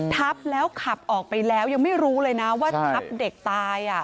ทับแล้วขับออกไปแล้วยังไม่รู้เลยนะว่าทับเด็กตาย